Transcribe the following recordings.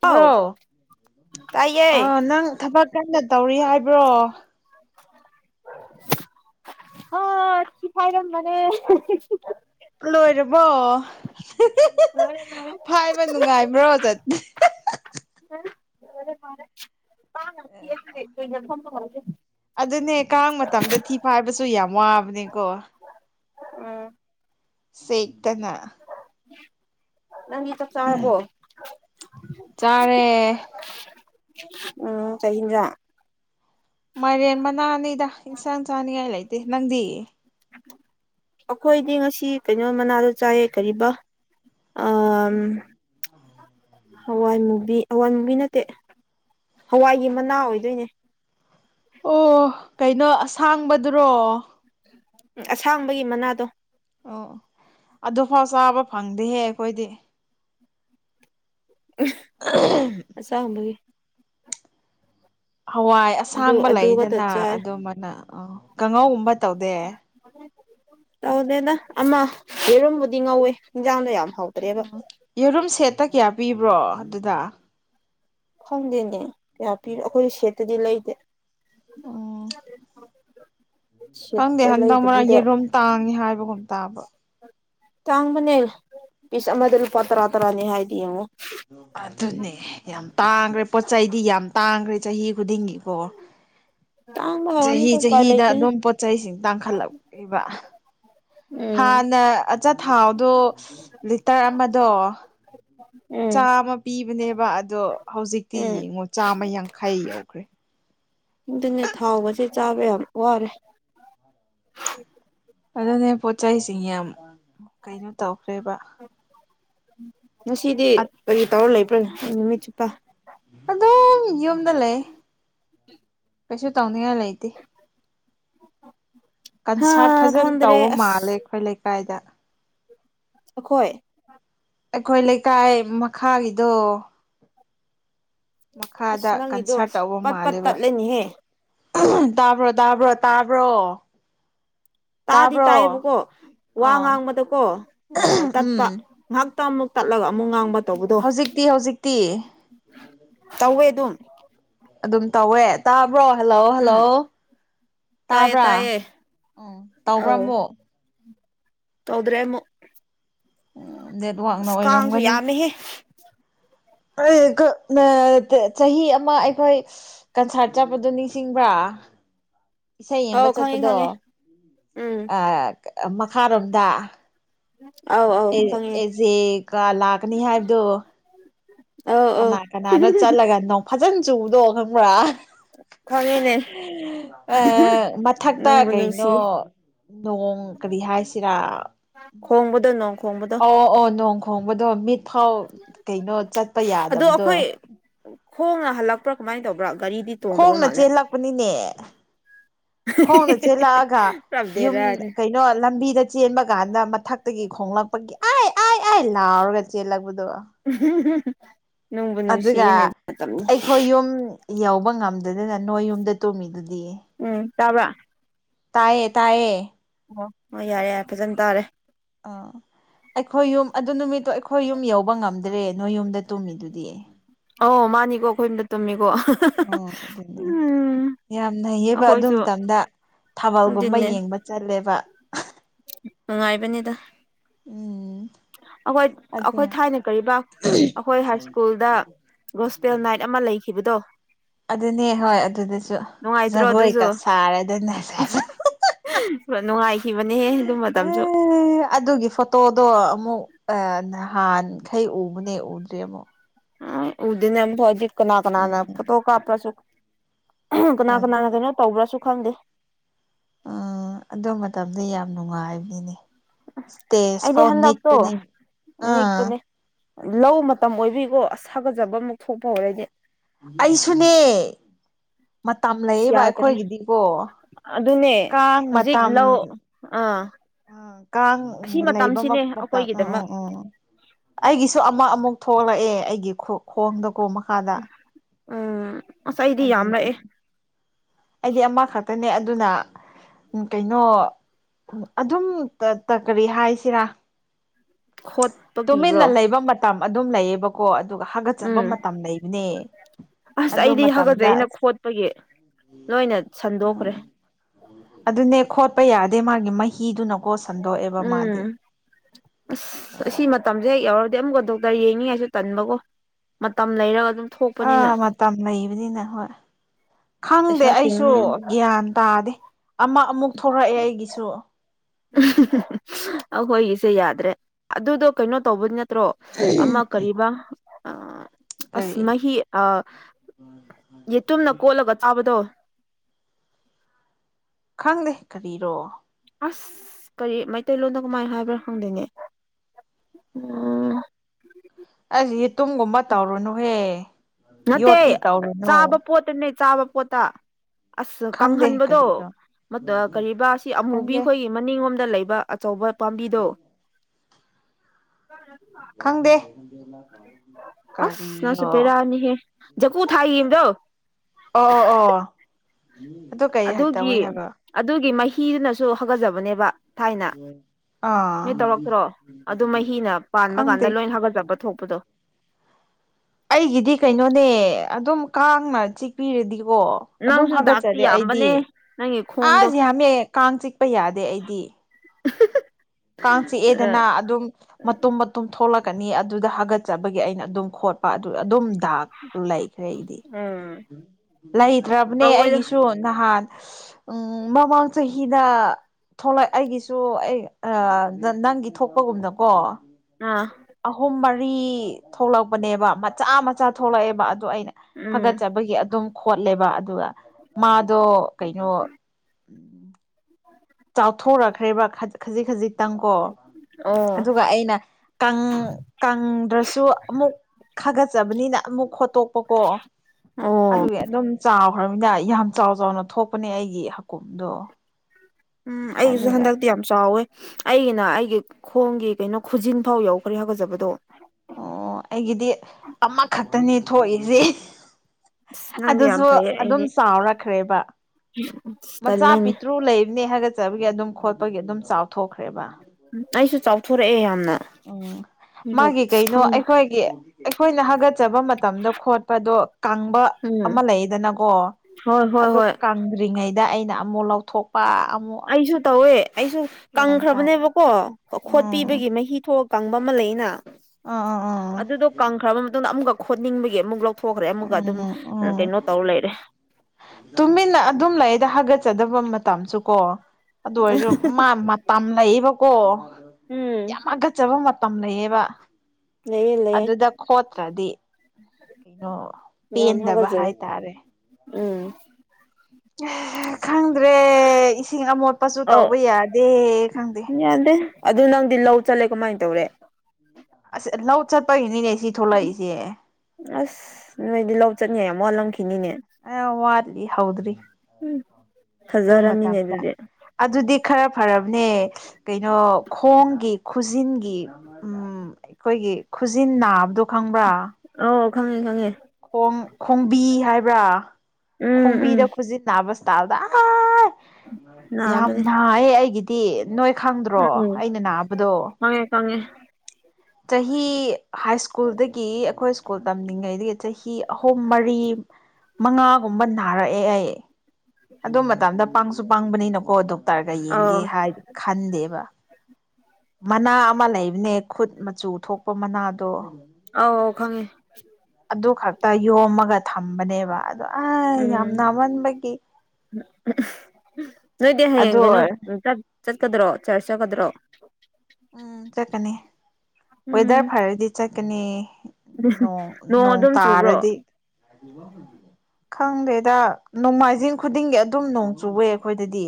ꯇꯥꯕ꯭ꯔꯣ ꯑꯥꯎ ꯇꯥꯏꯌꯦ ꯑ ꯅꯪ ꯊꯕꯛ ꯀꯟꯅ ꯇꯧꯔꯤ ꯍꯥꯏꯕ꯭ꯔꯣ ꯍꯥ ꯊꯤ ꯐꯥꯏꯔꯝꯕꯅꯦ ꯂꯣꯏꯔꯕꯣ ꯂꯣꯏꯔꯦ ꯂꯣꯏꯔꯦ ꯐꯥꯏꯕ ꯅꯨꯡꯉꯥꯏꯕ꯭ꯔꯣ ꯆꯠꯠꯇꯦ ꯑꯔꯦ ꯃꯥꯔ ꯇꯥ ꯅꯁꯤ [unintelligible] ꯑꯗꯨꯅꯦ ꯀꯥꯡ ꯃꯇꯝꯗ ꯊꯤ ꯐꯥꯏꯕꯁꯨ ꯌꯥꯝ ꯋꯥꯕꯅꯦꯀꯣ ꯎꯝ ꯁꯦꯡꯗꯅ ꯅꯪꯗꯤ ꯆꯥꯛ ꯆꯥꯔꯕꯣ ꯆꯥꯔꯦ ꯎꯝ ꯆꯍꯤꯖ ꯃꯥꯏꯔꯦꯟ ꯃꯅꯥꯅꯤꯗ ꯏꯟꯁꯥꯡ ꯆꯥꯅꯤꯡꯉꯥꯏ ꯂꯩꯇꯦ ꯅꯪꯗꯤ ꯑꯩꯈꯣꯏꯗꯤ ꯉꯁꯤ ꯀꯩꯅꯣ ꯃꯅꯥꯗꯣ ꯆꯥꯏꯌꯦ ꯀꯔꯤꯕ ꯎꯝ ꯍꯋꯥꯏꯃꯨꯕꯤ ꯍꯋꯥꯏꯃꯨꯕꯤ ꯅꯠꯇꯦ ꯍꯋꯥꯏꯒꯤ ꯃꯅꯥ ꯑꯣꯏꯗꯣꯏꯅꯦ ꯑꯣ ꯀꯩꯅꯣ ꯑꯁꯥꯡꯕꯗꯨꯔꯣ ꯎ ꯑꯁꯥꯡꯕꯒꯤ ꯃꯅꯥꯗꯣ ꯑꯣ ꯑꯗꯨꯐꯥꯎ ꯆꯥꯕ ꯐꯪꯗꯦꯍꯦ ꯑꯩꯈꯣꯏꯗꯤ ꯑꯁꯕꯒꯒꯤ ꯍꯋꯥꯏ ꯑꯗꯨ ꯑꯁꯥꯡꯕ ꯑꯗꯨꯒꯇ ꯂꯩꯗꯅ ꯆꯥꯏ ꯑꯗꯨꯝꯕꯅ ꯑꯣ ꯀꯥꯡꯉꯧꯒꯨꯝꯕ ꯇꯧꯗꯦ ꯇꯧꯗꯦꯗ ꯑꯃ ꯌꯦꯔꯨꯝꯕꯨꯗꯤ ꯉꯧꯋꯦ ꯏꯟꯖꯥꯡꯗ ꯌꯥꯝ ꯍꯥꯎꯇ꯭ꯔꯦꯕ ꯎꯝ ꯌꯦꯔꯨꯝ ꯁꯦꯠꯇ ꯀꯌꯥ ꯄꯤꯕ꯭ꯔꯣ ꯑꯗꯨꯗ ꯈꯪꯗꯦꯅꯦ ꯀꯌꯥ ꯄꯤꯔ ꯑꯩꯈꯣꯏꯒꯤ ꯁꯦꯠꯇꯗꯤ ꯂꯩꯇꯦ ꯑꯣ ꯈꯪꯗꯦ ꯁꯦꯠꯇ ꯍꯟꯗꯛ ꯃꯔꯥꯡ ꯂꯩꯗꯕꯤꯗ ꯌꯦꯔꯨꯝ ꯇꯥꯡꯉꯦ ꯍꯥꯏꯕꯒꯨꯝ ꯇꯥꯕ ꯆꯥꯡꯕꯅꯦ ꯄꯤꯁ ꯑꯃꯗ ꯂꯨꯄꯥ ꯇꯔꯥ ꯇꯔꯥꯅꯤ ꯍꯥꯏꯗꯤ ꯌꯦꯡꯉꯣ ꯑꯗꯨꯅꯦ ꯌꯥꯝ ꯇꯥꯡꯈ꯭ꯔꯦ ꯄꯣꯠ ꯆꯩꯗꯤ ꯌꯥꯝ ꯇꯥꯡꯈ꯭ꯔꯦ ꯆꯍꯤ ꯈꯨꯗꯤꯡꯒꯤꯀꯣ ꯇꯥꯡꯕ ꯆꯍꯤ ꯍꯧꯔꯅꯤꯗ ꯎꯄꯥꯏ ꯆꯍꯤꯗ ꯂꯩꯇꯦꯅ ꯑꯗꯨꯝ ꯄꯣꯠꯁꯤꯡ ꯇꯥꯡꯈꯠꯂꯛꯏꯕ ꯎꯝ ꯍꯥꯟꯅ ꯑꯆꯥꯊꯥꯎꯗꯣ ꯂꯤꯇꯔ ꯑꯃꯗꯣ ꯎꯝ ꯆꯥꯃ ꯄꯤꯕꯅꯦꯕ ꯑꯗꯣ ꯍꯧꯖꯤꯛꯇꯤ ꯎꯝ ꯌꯦꯡꯉꯣ ꯆꯥꯃ ꯌꯥꯡꯈꯩ ꯌꯧꯈ꯭ꯔꯦ ꯑꯗꯨꯅꯦ ꯊꯥꯎꯕꯁꯦ ꯆꯥꯕ ꯌꯥꯝ ꯋꯥꯔꯦ ꯑꯗꯨꯅꯦ ꯄꯣꯠ ꯆꯩꯁꯤꯡ ꯌꯥꯝ ꯀꯩꯅꯣ ꯇꯧꯈ꯭ꯔꯦꯕ ꯉꯁꯤꯗꯤ ꯀꯩ ꯇꯧꯔ ꯂꯩꯕ꯭ꯔꯅ ꯑꯩ ꯅꯨꯃꯤꯠ ꯆꯨꯞꯄ ꯑꯗꯨꯝ ꯌꯨꯝꯗ ꯂꯩ ꯀꯩꯁꯨ ꯇꯧꯅꯤꯡꯉꯥꯏ ꯂꯩꯇꯦ ꯍꯥ ꯀꯟꯁꯥꯔꯠ ꯐꯖꯅ ꯈꯪꯗ꯭ꯔꯦ ꯇꯧꯕ ꯃꯥꯜꯂꯦ ꯑꯁ ꯑꯩꯈꯣꯏ ꯂꯩꯀꯥꯏꯗ ꯑꯩꯈꯣꯏ ꯑꯩꯈꯣꯏ ꯂꯩꯀꯥꯏ ꯃꯈꯥꯒꯤꯗꯣ ꯑꯁ ꯃꯈꯥꯗ ꯅꯪꯒꯤꯗꯣ ꯀꯟꯁꯥꯔꯠ ꯇꯧꯕ ꯄꯠ ꯄꯠ ꯃꯥꯜꯂꯦꯕ ꯇꯠꯂꯅꯤꯍꯦ ꯇꯥꯕ꯭ꯔꯣ ꯇꯥꯕ꯭ꯔꯣ ꯇꯥꯕ꯭ꯔꯣ ꯇꯥꯗꯤ ꯇꯥꯕ꯭ꯔꯣ ꯇꯥꯏꯌꯦꯕꯀꯣ ꯋꯥ ꯑꯥ ꯉꯥꯡꯕꯗꯀꯣ ꯎꯝ ꯇꯠꯄ ꯉꯥꯏꯍꯥꯛ ꯑꯃꯨꯛ ꯇꯠꯂꯒ ꯑꯃꯨꯛ ꯉꯥꯡꯕ ꯇꯧꯕꯗꯣ ꯍꯧꯖꯤꯛꯇꯤ ꯍꯧꯖꯤꯛꯇꯤ ꯇꯧꯋꯦ ꯑꯗꯨꯝ ꯑꯗꯨꯝ ꯇꯧꯋꯦ ꯇꯥꯕ꯭ꯔꯣ ꯍꯜꯂꯣ ꯍꯜꯂꯣ ꯎꯝ ꯇꯥꯏꯌꯦ ꯇꯥꯕ꯭ꯔꯥ ꯇꯥꯏꯌꯦ ꯎꯝ ꯇꯕ꯭ꯔꯥ ꯑꯧ ꯑꯃꯕꯨꯛ ꯇꯧꯗ꯭ꯔꯦ ꯑꯃꯨꯛ ꯎꯝ ꯅꯦꯠꯋꯥꯛꯅ ꯑ ꯀꯥꯡꯁꯨ ꯑꯣꯏꯔꯝꯒꯅꯤ ꯌꯥꯝꯃꯦꯍꯦ ꯆꯍꯤ ꯑꯃ ꯑꯩꯈꯣꯏ ꯀꯟꯁꯥꯔꯠ ꯆꯠꯄꯗꯨꯣ ꯅꯤꯡꯁꯤꯡꯕ꯭ꯔꯥ ꯏꯁꯩ ꯌꯦꯡꯕ ꯑꯧ ꯈꯪꯉꯦ ꯆꯠꯄꯗꯣ ꯈꯪꯉꯦ ꯎꯝ ꯑ ꯃꯈꯥꯔꯣꯝꯗ ꯑꯧ ꯑꯧ ꯑꯦ ꯈꯪꯉꯦ ꯑꯦꯁꯦ ꯀ ꯂꯥꯛꯀꯅꯤ ꯍꯥꯏꯕꯗꯣ ꯑꯧ ꯑꯧ ꯀꯅꯥ ꯀꯅꯥꯅꯣ ꯆꯠꯂꯒ ꯅꯪ ꯐꯖꯅ ꯆꯨꯕꯗꯣ ꯈꯪꯕ꯭ꯔꯥ ꯈꯪꯉꯦꯅꯦ ꯑ ꯃꯊꯛꯇ ꯅꯨꯡꯕꯨ ꯀꯩꯅꯣ ꯅꯨꯡꯁꯤ ꯅꯣꯡ ꯀꯔꯤ ꯍꯥꯏꯁꯤꯔꯥ ꯈꯣꯡꯕꯗꯨ ꯅꯣꯡ ꯈꯣꯡꯕꯗꯣ ꯑꯣ ꯑꯣ ꯅꯣꯡ ꯈꯣꯡꯕꯗꯣ ꯃꯤꯠ ꯐꯥꯎ ꯀꯩꯅꯣ ꯆꯠꯄ ꯑꯗꯣ ꯌꯥꯗꯕꯗꯔꯣ ꯑꯩꯈꯣꯏ ꯈꯣꯡꯅ ꯍꯜꯂꯛꯄ꯭ꯔꯥ ꯀꯃꯥꯏꯅ ꯇꯧꯕ꯭ꯔꯥ ꯒꯥꯔꯤꯗꯤ ꯇꯣꯡꯗꯕ ꯈꯣꯡꯅ ꯃꯥꯜꯂꯦ ꯆꯦꯜꯂꯛꯄꯅꯤꯅꯦ ꯈꯣꯡꯗ ꯆꯦꯜꯂꯛꯑꯒ ꯄꯨꯔꯥ ꯌꯨꯝ ꯕꯦꯔꯥꯅꯤ ꯀꯩꯅꯣ ꯂꯝꯕꯤꯗ ꯆꯦꯟꯕ ꯀꯥꯟꯗ ꯃꯊꯛꯇꯒꯤ ꯈꯣꯡꯂꯛꯄꯒꯤ ꯑ ꯑꯥꯏ ꯑ ꯂꯥꯎꯔꯒ ꯆꯦꯜꯂꯛꯄꯗꯣ ꯅꯨꯡꯕꯨ ꯑꯗꯨꯒ ꯅꯨꯡꯁꯤꯌꯦꯅꯦ ꯑꯗꯨ ꯃꯇꯝꯗꯣ ꯑꯩꯈꯣꯏ ꯌꯨꯝ ꯌꯧꯕ ꯉꯝꯗꯗꯅ ꯅꯣꯏ ꯌꯨꯝꯗ ꯇꯨꯝꯃꯤꯗꯨꯗ ꯎꯝ ꯇꯕ ꯇꯌꯦ ꯇꯥꯌꯦ ꯑꯣ ꯍꯣꯏ ꯌꯥꯔꯦ ꯌꯥꯔꯦ ꯐꯖꯅ ꯇꯥꯔꯦ ꯑꯩꯈꯣꯏ ꯌꯨꯝ ꯑꯗꯨ ꯅꯨꯃꯤꯠꯇꯣ ꯑꯩꯈꯣꯏ ꯌꯨꯝ ꯌꯧꯕ ꯉꯝꯗ꯭ꯔꯦ ꯅꯣꯏ ꯌꯨꯝꯗ ꯇꯨꯝꯃꯤꯗꯨꯗꯤ ꯑꯣ ꯃꯥꯅꯤꯀꯣ ꯑꯩꯈꯣꯏꯗ ꯇꯨꯝꯅꯤꯀꯣ ꯎꯝ ꯌꯥꯝꯅ ꯍꯩꯌꯦꯕ ꯑꯗꯨ ꯑꯩꯈꯣꯏꯁꯨ ꯃꯇꯝꯗ ꯊꯥꯕꯜꯒꯨꯝꯕ ꯑꯗꯨꯅꯦ ꯌꯦꯡꯕ ꯆꯜꯂꯦꯕ ꯅꯨꯡꯉꯥꯏꯕꯅꯤꯗ ꯎꯝ ꯑꯩꯈꯣꯏ ꯑꯗꯨ ꯑꯩꯈꯣꯏ ꯊꯥꯏꯅ ꯀꯔꯤꯕ ꯑꯩꯈꯣꯏ ꯍꯥꯏ ꯁ꯭ꯀꯨꯜꯗ ꯇꯦꯜ ꯅꯥꯏꯠ ꯑꯃ ꯂꯩꯈꯤꯕꯗꯣ ꯑꯗꯨꯅꯦ ꯍꯣꯏ ꯑꯗꯨꯗꯁꯨ ꯅꯨꯡꯉꯥꯏꯇ꯭ꯔꯣ ꯖꯒꯣꯏꯀ ꯁꯥꯔꯦ ꯑꯗꯨꯅꯦ ꯎ ꯃꯅꯦ ꯑꯦ ꯑꯗꯨꯒꯤ ꯐ ꯇꯣꯗꯣ ꯑꯃꯨꯛ ꯅꯍꯥꯟꯈꯩ ꯎꯕꯅꯦ ꯎꯗ꯭ꯔꯤ ꯑꯃꯨꯛ ꯑ ꯑꯣꯗꯅ ꯊꯛꯅꯥ ꯀꯅꯥꯅ ꯎꯝ ꯄꯊꯣ ꯀꯁꯨ ꯀꯅꯥ ꯈꯪꯗꯦ ꯀꯅꯥꯅ ꯀꯩꯅꯣ ꯇꯧꯕ꯭ꯔꯥꯁꯨ ꯈꯪꯗꯦ ꯎꯝ ꯑꯗꯨ ꯃꯇꯝꯗ ꯌꯥꯝ ꯅꯨꯡꯉꯥꯏꯕꯅꯤꯅꯦ ꯁ ꯑꯩꯗꯤ ꯐꯥꯎ ꯍꯟꯗꯛꯇꯣ ꯑꯥ ꯅꯤꯛꯄꯅꯦ ꯂꯧ ꯃꯇꯝ ꯑꯣꯏꯕꯤꯀꯣ ꯁꯥꯒꯖꯕ ꯑꯃꯨꯛ ꯊꯣꯛꯄ ꯍꯧꯔꯗꯤ ꯑꯩꯁꯨꯅꯦ ꯃꯇꯝ ꯑꯁ ꯂꯩꯌꯦꯕ ꯌꯥꯗ꯭ꯔꯦ ꯑꯩꯈꯣꯏꯒꯤꯗꯤꯀꯣ ꯑꯗꯨꯅꯦ ꯀꯥꯡ ꯍꯧꯖꯤꯛ ꯃꯇꯝ ꯂꯧ ꯑꯥ ꯎ ꯀꯥꯡ ꯑꯁꯤ ꯃꯇꯝꯁꯤꯅꯦ ꯂꯩꯕꯃꯛ ꯃꯇꯝ ꯎꯝ ꯎꯝ ꯑꯩꯈꯣꯏꯒꯤꯗꯃꯛ ꯎꯝ ꯑꯩꯒꯤꯁꯨ ꯑꯃꯨꯛ ꯑꯃꯨꯛ ꯊꯣꯛꯂꯛꯑꯦ ꯑꯩꯒꯤ ꯈꯣꯡꯗꯀꯣ ꯃꯈꯥꯗ ꯎꯝ ꯉꯁꯥꯏ ꯑꯩꯗꯤ ꯑꯗꯨꯅꯤ ꯌꯥꯝꯂꯛꯑꯦ ꯈꯛꯇꯅꯦ ꯑꯗꯨꯅ ꯀꯩꯅꯣ ꯑꯗꯨꯝ ꯀꯔꯤ ꯍꯥꯏꯁꯤꯔꯥ ꯈꯣꯠꯄ ꯀꯤꯕ꯭ꯔꯣ ꯇꯨꯃꯤꯟꯅ ꯂꯩꯕ ꯃꯇꯝ ꯑꯗꯨꯝ ꯂꯩꯌꯦꯕꯀꯣ ꯑꯗꯨꯒ ꯍꯥꯒꯠꯆꯕ ꯎꯝ ꯃꯇꯝ ꯂꯩꯕꯅꯦ ꯑꯁ ꯑꯗꯨ ꯑꯩꯗꯤ ꯍꯧꯒꯠꯗ꯭ꯔꯦ ꯃꯇꯝꯗ ꯑꯩꯅ ꯑꯁ ꯈꯣꯠꯄꯒꯤ ꯂꯣꯏꯅ ꯎꯝ ꯁꯟꯗꯣꯛꯈ꯭ꯔꯦ ꯑꯗꯨꯅꯦ ꯈꯣꯠꯄ ꯌꯥꯗꯦ ꯃꯥꯒꯤ ꯃꯍꯤꯗꯨꯅꯀꯣ ꯁꯟꯗꯣꯛꯑꯦꯕ ꯃꯥꯗꯤ ꯎꯝ ꯑꯁ ꯑꯁꯤ ꯃꯇꯝꯁꯦ ꯍꯦꯛ ꯌꯥꯎꯔꯗꯤ ꯑꯃꯨꯛꯀꯗꯧ ꯗ ꯌꯦꯡꯅꯤꯡꯉꯥꯏꯁꯨ ꯇꯟꯕꯀꯣ ꯃꯇꯝ ꯂꯩꯔꯒ ꯑꯗꯨꯝ ꯊꯣꯛꯄꯅꯤꯅ ꯑꯥ ꯃꯇꯝ ꯂꯩꯕꯅꯤꯅꯦ ꯍꯣꯏ ꯈꯪꯗꯦ ꯄꯩꯁꯥ ꯑꯩꯁꯨ ꯇꯤꯡꯉꯦ ꯒ꯭ꯌꯥꯟ ꯇꯥꯗꯦ ꯑꯃꯛ ꯑꯃꯨꯛ ꯊꯣꯔꯛꯑꯦ ꯑꯩꯒꯤꯁꯨ ꯑꯩꯈꯣꯏꯒꯤꯁꯦ ꯌꯥꯗ꯭ꯔꯦ ꯑꯗꯨꯗꯣ ꯀꯩꯅꯣ ꯇꯧꯕ ꯅꯠꯇ ꯅꯠꯇ꯭ꯔꯣ ꯑꯃ ꯀꯔꯤꯕ ꯑꯥ ꯑꯁ ꯀꯔꯤ ꯃꯍꯤ ꯌꯦꯇꯨꯝꯅ ꯀꯣꯠꯂꯒ ꯆꯥꯕꯗꯣ ꯈꯪꯗꯦ ꯀꯔꯤꯔꯣ ꯑꯁ ꯀꯔꯤ ꯃꯩꯇꯩꯂꯣꯟꯗ ꯀꯃꯥꯏꯅ ꯍꯥꯏꯕ꯭ꯔꯥ ꯈꯪꯗꯦ ꯎꯝ ꯇꯨꯝꯒꯨꯝꯕ ꯇꯧꯔꯨꯅꯨꯍꯦ ꯅꯠꯇꯦ ꯌꯣꯠꯇꯤ ꯇꯧꯔꯨꯅꯨ ꯆꯥꯕ ꯄꯣꯠꯇꯅꯦ ꯆꯥꯕ ꯄꯣꯠꯇ ꯑꯁ ꯈꯪꯗꯦ ꯀꯪꯍꯟꯕꯗꯣ ꯀꯔꯤꯔꯣ ꯀꯕꯥ ꯁꯤ ꯑꯃꯨꯕꯤ ꯈꯪꯗꯦ ꯑꯩꯈꯣꯏꯒꯤ ꯃꯅꯤꯡꯂꯣꯝꯗ ꯂꯩꯕ ꯑꯆꯧꯕ ꯄꯥꯝꯕꯤꯗꯣ [inaudible] ꯈꯪꯗꯦ ꯑꯁ ꯀꯔꯤꯔꯣ ꯅꯁꯨꯄꯦꯔꯥꯅꯤꯍꯦ ꯖ ꯀꯨ ꯊꯥꯏ ꯌꯦꯡꯒꯦꯔꯣ ꯑꯣ ꯑꯣ ꯑꯣ ꯑꯗꯨ ꯀꯩ ꯇꯧꯋꯦ ꯑꯗꯨꯒꯤ ꯍꯥꯏꯕ ꯑꯗꯨꯒꯤ ꯃꯍꯤꯗꯨꯅꯁꯨ ꯍꯧꯒꯠꯆꯕꯅꯦꯕ ꯊꯥꯏꯅ ꯅ ꯑꯥ ꯇꯧꯔꯛꯇ꯭ꯔꯣ ꯑꯗꯨ ꯃꯍꯤꯅ ꯄꯥꯟꯕ ꯀꯥꯟꯗ ꯈꯪꯗꯦ ꯂꯣꯏ ꯍꯥꯒꯠꯆꯄ ꯊꯣꯛꯄ ꯄꯨꯗꯣ ꯑꯩꯒꯤꯗꯤ ꯀꯩꯅꯣꯅꯦ ꯑꯗꯨꯝ ꯀꯥꯡꯅ ꯆꯤꯛꯄꯤꯔꯗꯤ ꯑꯣ ꯑꯗꯨꯝ ꯅꯪꯁꯨ ꯗꯥꯛꯇꯤ ꯍꯥꯒꯠꯆꯔꯦ ꯑꯩꯗꯤ ꯌꯥꯝꯕꯅꯦ ꯅꯪꯒꯤ ꯈꯣꯡꯗꯣ ꯑꯁ ꯌꯥꯝꯃꯦ ꯀꯥꯡ ꯆꯤꯛꯄ ꯌꯥꯗꯦ ꯑꯩꯗꯤ ꯀꯥꯡ ꯆꯤꯛꯑꯦꯗꯅ ꯑꯗꯨꯝ ꯃꯇꯨꯝ ꯃꯇꯨꯝ ꯊꯣꯛꯂꯜꯛ ꯍꯥꯀꯅꯤ ꯑꯗꯨꯗ ꯍꯥꯒꯠꯆꯕꯒꯤ ꯑꯩꯅ ꯑꯗꯨꯝ ꯈꯣꯠꯄ ꯑꯗꯨ ꯑꯗꯨꯝ ꯇꯥꯛ ꯂꯩꯈ꯭ꯔꯦ ꯑꯩꯗꯤ ꯎꯝ ꯂꯩꯇ꯭ꯔꯕꯅꯦ ꯀꯧꯋꯦꯗ ꯑꯩꯒꯤꯁꯨ ꯅꯍꯥꯟ ꯎꯝ ꯃꯃꯥꯡ ꯆꯍꯤꯗ ꯊꯣꯛꯂꯛ ꯑꯩꯒꯤꯁꯨ ꯑꯩ ꯑ ꯅꯪꯒꯤ ꯊꯣꯛꯄꯒꯨꯝꯅꯀꯣ ꯑꯥ ꯑꯍꯨꯝ ꯃꯔꯤ ꯊꯣꯛꯂꯛꯄꯅꯦꯕ ꯃꯆꯥ ꯃꯆꯥ ꯊꯣꯛꯂꯛꯑꯦꯕ ꯑꯩꯅ ꯎꯝ ꯐꯒꯠꯆꯕꯒꯤ ꯑꯗꯨꯝ ꯈꯣꯠꯂꯦꯕ ꯑꯗꯨꯒ ꯃꯥꯗꯣ ꯀꯩꯅꯣ ꯆꯥꯎꯊꯣꯔꯛꯈ꯭ꯔꯦꯕ꯭ꯔ ꯈꯖꯤꯛ ꯈꯖꯤꯛꯇꯪꯀꯣ ꯑꯣ ꯑꯗꯨꯒ ꯑꯩꯅ ꯀꯪꯗ꯭ꯔꯁꯨ ꯑꯃꯨꯛ ꯈꯥꯒꯠ ꯆꯆꯕꯅꯤꯅ ꯑꯃꯨꯛ ꯈꯣꯠꯇꯣꯛꯄꯀꯣ ꯑꯣ ꯑꯗꯨꯒꯤ ꯑꯗꯨꯝ ꯆꯥꯎ ꯑꯣꯏꯔꯕꯃꯤꯅ ꯌꯥꯝ ꯆꯥꯎ ꯆꯥꯎꯅ ꯊꯣꯛꯄꯅꯦ ꯑꯩꯒꯤ ꯍꯀꯨꯝꯗꯣ ꯎꯝ ꯑꯩꯁꯨ ꯑꯗꯨꯒ ꯍꯟꯗꯛꯇꯤ ꯌꯥꯝ ꯆꯥꯎꯋꯦ ꯑꯩꯒꯤꯅ ꯑꯩꯒꯤ ꯈꯣꯡꯒꯤ ꯀꯩꯅꯣ ꯈꯨꯖꯤꯟ ꯐꯥꯎ ꯌꯧ ꯈꯔ ꯍꯧꯒꯠꯆꯕꯗꯣ ꯑꯣ ꯑꯩꯒꯤꯗꯤ ꯑꯃꯈꯛꯇꯅꯤ ꯊꯣꯛꯏꯁꯤꯦ ꯑꯁ ꯅꯪꯗꯤ ꯌꯥꯝ ꯑꯗꯨꯁꯨ ꯐꯩꯌꯦ ꯑꯗꯨꯝ ꯑꯩꯗꯤ ꯆꯥꯎꯔꯛꯈ꯭ꯔꯦꯕ ꯑꯁ ꯃꯆꯥ ꯇꯜꯂꯦꯅꯦ ꯄꯤꯇ꯭ꯔꯨ ꯂꯩꯕꯅꯦ ꯍꯥꯏꯒꯠꯆꯕꯒꯤ ꯑꯗꯨꯝ ꯈꯣꯠꯄꯒꯤ ꯑꯗꯨꯝ ꯆꯥꯎꯊꯣꯛꯈ꯭ꯔꯦꯕ ꯑꯩꯁꯨ ꯆꯥꯎꯊꯣꯔꯛꯑꯦ ꯌꯥꯝꯅ ꯎꯝ ꯑꯗꯣ ꯃꯥꯒꯤ ꯑꯁ ꯀꯩꯅꯣ ꯈꯪꯗꯦ ꯑꯩꯈꯣꯏꯒꯤ ꯑꯩꯈꯣꯏꯅ ꯍꯥꯒꯠꯆꯕ ꯃꯇꯝꯗ ꯈꯣꯠꯄꯗꯣ ꯀꯪꯕ ꯎꯝ ꯑꯃ ꯂꯩꯌꯦꯗꯅꯀꯣ ꯍꯣꯏ ꯍꯣꯏ ꯑꯗꯨ ꯍꯣꯏ ꯀꯪꯗ꯭ꯔꯤꯉꯩꯗ ꯑꯩꯅ ꯃꯣꯜꯂꯧꯊꯣꯛꯄ ꯑꯩꯁꯨ ꯇꯧꯋꯦ ꯑꯩꯁꯨ ꯇꯥꯔꯦ ꯀꯪꯈ꯭ꯔꯕꯅꯦꯕꯀꯣ ꯈꯣꯠ ꯎꯝ ꯄꯤꯕꯒꯤ ꯃꯍꯤ ꯊꯣꯛ ꯀꯪꯕ ꯑꯃ ꯂꯩꯅ ꯎꯝ ꯎꯝ ꯎꯝ ꯑꯗꯨꯗꯣ ꯀꯪꯈ꯭ꯔꯕ ꯃꯇꯨꯡꯗ ꯑꯃꯨꯛꯀꯛ ꯍꯣꯠꯅꯤꯡꯕꯒꯤ ꯑꯃꯨꯛ ꯂꯧ ꯊꯣꯛꯈ꯭ꯔꯦ ꯑꯃꯒ ꯑꯗꯨꯝ ꯎꯝ ꯎꯝ ꯎꯝ ꯀꯩꯅꯣ ꯇꯧꯔ ꯂꯩꯔꯦ ꯇꯨꯃꯤꯟꯅ ꯑꯗꯨꯝ ꯂꯩꯗ ꯍꯥꯒꯠꯆꯗꯕ ꯃꯇꯝꯁꯨ ꯀꯣ ꯑꯗꯨ ꯑꯣꯏꯔꯁꯨ ꯃꯥ ꯃꯇꯝ ꯂꯩꯌꯦꯕꯀꯣ ꯎꯝ ꯌꯥꯝ ꯃꯒꯠꯆꯕ ꯃꯇꯝ ꯂꯩꯌꯦꯕ ꯂꯩꯌꯦ ꯂꯩꯌꯦ ꯑꯗꯨꯗ ꯈꯣꯠꯇ꯭ꯔꯗꯤ ꯀꯩꯅꯣ ꯌꯥꯝ ꯄꯦꯟꯗꯕ ꯍꯥꯒꯠꯆꯔꯦ ꯍꯥꯏꯇꯥꯔꯦ ꯎꯝ ꯈꯪꯗ꯭ꯔꯦ ꯏꯁꯤꯡ ꯑꯃꯣꯠꯄꯁꯨ ꯑꯧ ꯇꯧꯕ ꯌꯥꯗꯦ ꯈꯪꯗꯦ ꯌꯥꯗꯦ ꯑꯗꯨ ꯅꯪꯗꯤ ꯂꯧ ꯆꯠꯂꯦ ꯀꯃꯥꯏꯅ ꯇꯧꯔꯦ ꯑꯁ ꯂꯧ ꯆꯠꯄꯒꯤꯅꯤꯅꯦ ꯁꯤ ꯊꯣꯛꯂꯛꯏꯁꯦ ꯑꯁ ꯅꯣꯏꯗꯤ ꯂꯧ ꯆꯠꯅꯤꯉ ꯌꯥꯝ ꯋꯥꯜꯂꯝꯈꯤꯅꯤꯅꯦ ꯑ ꯋꯥꯠꯂꯤ ꯍꯧꯗ꯭ꯔꯤ ꯑꯗꯨ ꯐꯖꯔꯅꯤꯅꯦ ꯃꯇꯝꯗ ꯑꯗꯨꯗꯤ ꯑꯗꯨꯗꯤ ꯈꯔ ꯐꯔꯕꯅꯦ ꯀꯩꯅꯣ ꯈꯣꯡꯒꯤ ꯈꯨꯖꯤꯟꯒꯤ ꯎꯝ ꯎ ꯑꯩꯈꯣꯏꯒꯤ ꯈꯨꯖꯤꯟ ꯅꯥꯕꯗꯣ ꯈꯪꯕ꯭ꯔꯥ ꯑꯧ ꯈꯪꯉꯦ ꯈꯪꯉꯦ ꯈꯣꯡ ꯈꯣꯡꯕꯤ ꯍꯥꯏꯕ꯭ꯔꯥ ꯎꯝ ꯎꯝ ꯈꯣꯡꯕꯤꯗ ꯈꯨꯖꯤ ꯅꯥꯕ ꯍꯇꯥꯗ ꯑꯥꯏ ꯌꯥꯝ ꯅꯥꯕꯅꯦ ꯅꯥꯌꯦ ꯑꯩꯒꯤꯗꯤ ꯅꯣꯏ ꯈꯪꯗ꯭ꯔꯣ ꯎꯝ ꯑꯩꯅ ꯅꯥꯕꯗꯣ ꯈꯪꯉꯦ ꯈꯪꯉꯦ ꯆꯍꯤ ꯆꯍꯤ ꯍꯥꯏ ꯁꯀꯨꯜ ꯁ꯭ꯀꯨꯜꯗꯒꯤ ꯑꯩꯈꯣꯏ ꯁ꯭ꯀꯨꯜ ꯇꯝꯂꯤꯉꯩꯗꯒꯤ ꯆꯍꯤ ꯑꯍꯨꯝ ꯃꯔꯤ ꯃꯉꯥꯒꯨꯝꯕ ꯅꯥꯔꯛꯑꯦ ꯑꯩ ꯑꯗꯨ ꯃꯇꯝꯗ ꯄꯥꯡꯁꯨ ꯄꯥꯡꯕꯅꯤꯅꯀꯣ ꯗꯣꯛꯇꯔꯒ ꯌꯦꯡꯒꯦ ꯑꯧ ꯍꯥꯏ ꯈꯟꯗꯦꯕ ꯃꯅꯥ ꯑꯃ ꯂꯩꯕꯅꯦ ꯈꯨꯠ ꯃꯆꯨ ꯊꯣꯛꯄ ꯃꯅꯥꯗꯣ ꯑ ꯈꯪꯉꯦ ꯑꯗꯨ ꯈꯛꯇ ꯌꯣꯝꯃꯒ ꯊꯝꯕꯅꯦꯕ ꯑꯗꯨ ꯑꯩ ꯌꯥꯝ ꯅꯥꯃꯟꯕꯒꯤ ꯅꯣꯏꯗꯦ ꯍꯥꯏ ꯑꯗꯨ ꯅꯣꯏ ꯑꯣꯏꯔ ꯆꯠꯀꯗ꯭ꯔꯣ ꯆꯔ ꯆ ꯀꯗ꯭ꯔꯣ ꯎꯝ ꯆꯠꯀꯅꯤ ꯋꯦꯗꯔ ꯐꯔꯗꯤ ꯆꯠꯀꯅꯤ ꯅꯣꯡ ꯅꯣꯡ ꯑꯗꯨꯝ ꯆꯨꯕ꯭ꯔꯣ ꯇꯥꯔꯗꯤ ꯈꯪꯗꯦꯗ ꯅꯣꯡꯃꯥꯏꯖꯤꯡ ꯈꯨꯗꯤꯡꯒꯤ ꯑꯗꯨꯝ ꯅꯣꯡ ꯆꯨꯕꯦ ꯑꯩꯈꯣꯏꯗꯗꯤ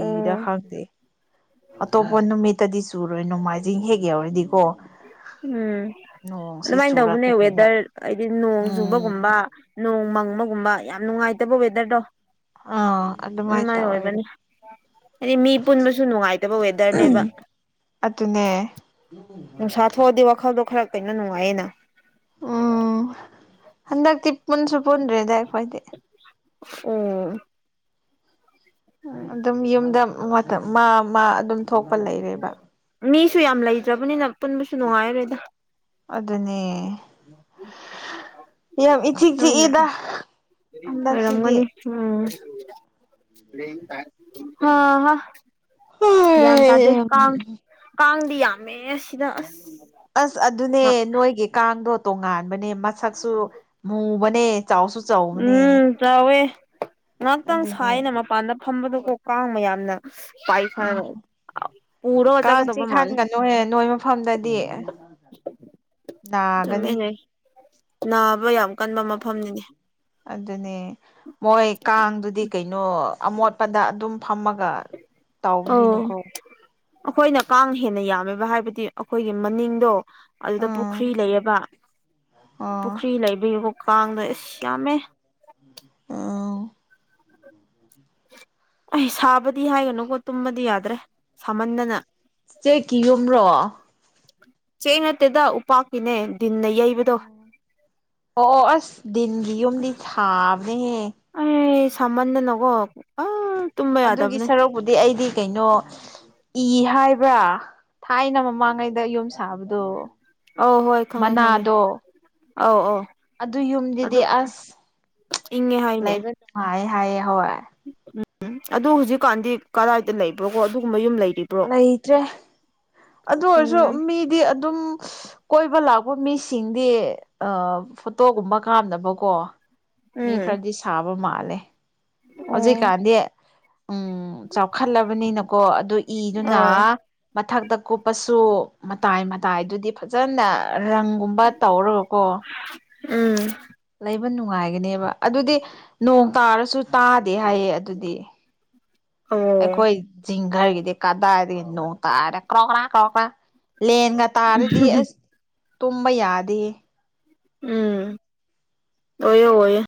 ꯑꯣ ꯈꯪꯗ ꯑꯇꯣꯞꯄ ꯅꯨꯃꯤꯠꯇꯗꯤ ꯆꯨꯔꯣꯏ ꯅꯣꯡꯃꯥꯏꯖꯤꯡ ꯍꯦꯛ ꯌꯎꯔꯗꯤꯀꯣ ꯎꯝ ꯑꯗꯨꯃꯥꯏꯅ ꯇꯧꯕꯅꯦ ꯆꯨꯔꯛꯀꯅꯦꯕ ꯋꯦꯗꯔ ꯍꯥꯏꯗꯤ ꯅꯣꯡ ꯎꯝ ꯆꯨꯕꯒꯨꯝꯕ ꯅꯣꯡ ꯕꯒꯨꯝꯕ ꯌꯥꯝ ꯅꯨꯡꯉꯥꯏꯇꯕ ꯋꯦꯗꯔꯗꯣ ꯑꯥ ꯑꯗꯨꯃꯥꯏ ꯇ ꯑꯗꯨꯃꯥꯏꯅ ꯑꯣꯏꯔꯦ ꯑꯣꯏꯕꯅꯤ ꯍꯥꯏꯗꯤ ꯃꯤ ꯄꯨꯟꯕꯁꯨ ꯅꯨꯡꯉꯥꯏꯇꯕ ꯋꯦꯗꯔꯅꯦꯕ ꯑꯗꯨꯅꯦ ꯅꯨꯡꯁꯥ ꯊꯣꯛꯑꯗꯤ ꯋꯥꯈꯜꯗꯣ ꯈꯔ ꯀꯩꯅ ꯅꯨꯡꯉꯥꯏꯌꯦꯅ ꯎꯝ ꯍꯟꯗꯒ ꯇꯤꯞ ꯃꯟꯁꯨꯄꯟ꯭ꯔꯔꯤ ꯗꯥꯏꯋꯥꯥꯏꯗꯤꯦ ꯑꯣ ꯑꯗꯨꯝ ꯌꯨꯝꯗ ꯃꯥ ꯃꯥ ꯑꯗꯨꯝ ꯊꯣꯛꯄ ꯂꯩꯔꯦꯕ ꯃꯤꯁꯨ ꯌꯥꯝ ꯂꯩꯇ꯭ꯔꯕꯅꯤꯅ ꯄꯨꯟꯕꯁꯨ ꯅꯨꯡꯉꯥꯏꯔꯣꯏꯗ ꯑꯗꯨꯅꯦ ꯌꯥꯝ ꯏꯆꯤꯛ ꯅꯣꯏꯅ ꯆꯤꯛꯏꯗ ꯍꯟꯗꯛꯁꯤꯗꯤ ꯑ ꯒ꯭ꯌꯥꯟ ꯇꯥꯗꯦ ꯀꯥꯡ ꯀꯥꯡꯗꯤ ꯌꯥꯝꯃꯦ ꯁꯤꯗ ꯑꯁ ꯑꯁ ꯑꯗꯨꯅꯦ ꯅꯣꯏꯒꯤ ꯀꯥꯡꯗꯣ ꯇꯣꯉꯥꯟꯕꯅꯦ ꯃꯁꯛꯁꯨ ꯃꯨꯕꯅꯦ ꯆꯥꯎꯁꯨ ꯆꯥꯎꯕꯅꯦ ꯎꯝ ꯆꯥꯎꯋꯦ ꯉꯍꯥꯛꯇꯪ ꯑꯗꯨꯅꯦ ꯁꯥꯏꯅ ꯃꯄꯥꯟꯗ ꯐꯝꯕꯗꯨꯣ ꯀꯣꯛ ꯀꯥꯡꯕ ꯌꯥꯝꯅ ꯄꯥꯏ ꯐꯅꯕ ꯀꯥꯡꯁꯤ ꯈꯟꯒꯅꯨꯍꯦ ꯅꯣꯏ ꯃꯐꯝꯗꯗꯤ ꯆꯨꯝꯃꯦ ꯅꯥꯒꯅꯤ ꯂꯩ ꯅꯥꯕ ꯌꯥꯝ ꯀꯟꯕ ꯃꯐꯝꯅꯤꯅꯦ ꯑꯗꯨꯅꯦ ꯃꯣꯏ ꯀꯥꯡꯗꯨꯗꯤ ꯀꯩꯅꯣ ꯑꯃꯣꯠꯄꯗ ꯑꯗꯨꯝ ꯐꯝꯃꯒ ꯑꯧ ꯇꯧꯕꯅꯤꯅꯀꯣ ꯑꯩꯈꯣꯏꯅ ꯀꯥꯡ ꯍꯦꯟꯅ ꯌꯥꯝꯃꯦꯕ ꯍꯥꯏꯕꯗꯤ ꯑꯩꯈꯣꯏꯒꯤ ꯃꯅꯤꯡꯗꯣ ꯑꯗꯨꯗ ꯑꯥ ꯄꯨꯈ꯭ꯔꯤ ꯂꯩꯌꯦꯕ ꯑꯣ ꯄꯨꯈ꯭ꯔꯤ ꯂꯩꯕꯤꯔꯤꯕ ꯀꯥꯡꯗꯣ ꯑꯦ ꯌꯥꯝꯃꯦ ꯑꯥ ꯑꯩ ꯁꯥꯕꯗꯤ ꯍꯥꯏꯒꯅꯨꯀꯣ ꯇꯨꯝꯕꯗꯤ ꯌꯥꯗ꯭ꯔꯦ ꯁꯥꯃꯟꯗꯅ ꯆꯦ ꯀꯤ ꯌꯨꯝ꯭ꯔꯣ ꯆ ꯆꯩꯅꯠꯇꯗ ꯎꯄꯥꯥꯀꯤꯅꯦ ꯑꯣ ꯑꯣ ꯑꯣ ꯑꯁ ꯗꯤꯟꯒꯤ ꯌꯨꯝꯗꯤ ꯁꯥꯕꯅꯦꯍꯦ ꯁꯃꯥꯟ ꯅꯒꯣ ꯑ ꯇꯨꯝꯕ ꯑꯗꯨꯒꯤ ꯌꯥꯗꯕꯅꯦ ꯁꯔꯨꯛꯄꯨꯗꯤ ꯑꯩꯗꯤ ꯀꯩꯅꯣ ꯏ ꯍꯥꯏꯕ꯭ꯔꯥ ꯊꯥꯏꯅ ꯃꯃꯥꯡꯉꯩꯗ ꯌꯨꯝ ꯁꯥꯕꯗꯣ ꯑꯧ ꯍꯣꯏ ꯈꯪꯉꯦ ꯈꯪꯉꯦ ꯃꯅꯥꯗꯣ ꯑꯧ ꯑꯧ ꯑꯗꯨ ꯑꯗꯨ ꯌꯨꯝꯗꯤꯗꯤ ꯑꯁ ꯂꯩꯕ ꯅꯨꯡꯉꯥꯏ ꯍꯥꯏꯌꯦ ꯍꯣꯏ ꯎꯝ ꯑꯗꯨ ꯍꯧꯖꯤꯛꯀꯥꯟꯗꯤ ꯀꯗꯥꯏꯗ ꯂꯩꯕ꯭ꯔꯣ ꯀꯣ ꯑꯗꯨꯒꯨꯝꯕ ꯌꯨꯝ ꯂꯩ ꯂꯩꯇ꯭ꯔꯦ ꯑꯗꯨ ꯑꯣꯏꯔꯁꯨ ꯎꯝ ꯃꯤꯗꯤ ꯑꯗꯨꯝ ꯀꯣꯏꯕ ꯂꯥꯛꯄ ꯃꯤꯁꯤꯡꯗꯤ ꯑ ꯐꯣꯇꯣꯒꯨꯝꯕ ꯀꯥꯝꯅꯕꯀꯣ ꯃꯤ ꯎꯝ ꯈꯔꯗꯤ ꯁꯥꯕ ꯃꯥꯜꯂꯦ ꯑꯣ ꯍꯧꯖꯤꯛꯀꯥꯟꯗꯤ ꯎꯝ ꯆꯥꯎꯈꯠꯂꯕꯅꯤꯅꯀꯣ ꯑꯗꯨ ꯏꯗꯨꯅ ꯑꯥ ꯃꯊꯛꯇ ꯀꯨꯞꯄꯁꯨ ꯃꯇꯥꯏ ꯃꯇꯥꯏꯗꯨꯗꯤ ꯐꯖꯅ ꯔꯪꯒꯨꯝꯕ ꯇꯧꯔꯣꯀꯣ ꯎꯝ ꯂꯩꯕ ꯅꯨꯡꯉꯥꯏꯒꯅꯦꯕ ꯑꯗꯨꯗꯤ ꯅꯣꯡ ꯇꯥꯔꯁꯨ ꯇꯥꯗꯦ ꯍꯥꯏꯌꯦ ꯑꯗꯨꯗꯤ [inaudible] ꯑꯣ ꯑꯩꯈꯣꯏ ꯖꯤꯡꯒꯔꯒꯤꯗꯤ ꯀꯗꯥꯏꯗꯒꯤ ꯅꯣꯡ ꯇꯥꯔꯦ ꯀ꯭ꯔꯀ꯭ꯔꯥ ꯀ꯭ꯔꯀ꯭ꯔꯥ ꯂꯦꯟꯒ ꯇꯥꯔꯗꯤ ꯑꯁ ꯇꯨꯝꯕ ꯌꯥꯗꯦ ꯎꯝ ꯑꯣ ꯑꯣꯏꯌꯦ